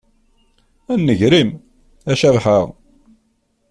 A nnger-im, a Cabḥa!